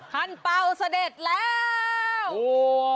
คันเปราเสด็จแล้ว